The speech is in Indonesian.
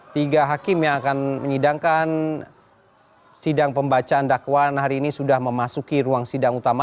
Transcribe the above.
tiga hakim yang akan menyidangkan sidang pembacaan dakwaan hari ini sudah memasuki ruang sidang utama